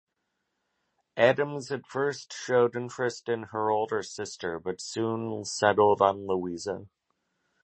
Adams at first showed interest in her older sister but soon settled on Louisa.